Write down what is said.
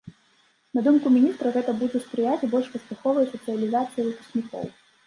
На думку міністра, гэта будзе спрыяць больш паспяховай сацыялізацыі выпускнікоў.